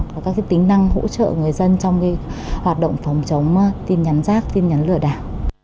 có các tính năng hỗ trợ người dân trong hoạt động phòng chống tin nhắn rác tin nhắn lừa đảo